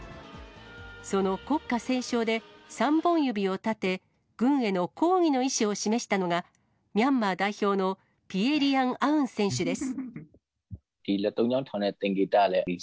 その国歌斉唱で、３本指を立て、軍への抗議の意思を示したのが、ミャンマー代表のピエ・リアン・アウン選手です。